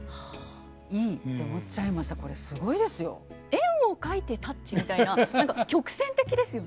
円を描いてタッチみたいな何か曲線的ですよね。